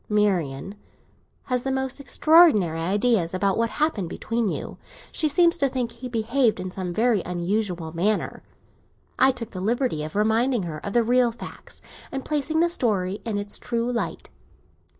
Marian has the most extraordinary ideas about what happened between you; she seems to think he behaved in some very unusual manner. I took the liberty of reminding her of the real facts, and placing the story in its true light.